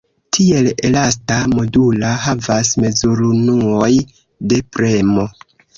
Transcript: Tiel elasta modula havas mezurunuoj de premo.